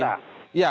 ya itu tadi